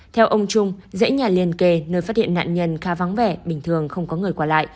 theo ông trung dãy nhà liên kề nơi phát hiện nạn nhân khá vắng vẻ bình thường không có người qua lại